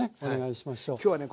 今日はね